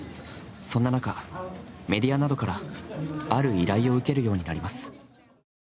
そんな中、メディアなどからある依頼を受けるようになります。